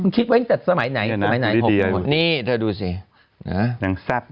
มึงคิดไว้ตั้งแต่สมัยไหนสมัยไหนนี่เธอดูสิฮะหนังทรัพย์เลย